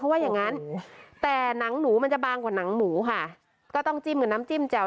ว่าอย่างงั้นแต่หนังหนูมันจะบางกว่าหนังหมูค่ะก็ต้องจิ้มกับน้ำจิ้มแจ่ว